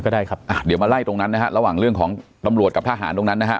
ได้ครับอ่ะเดี๋ยวมาไล่ตรงนั้นนะฮะระหว่างเรื่องของตำรวจกับทหารตรงนั้นนะฮะ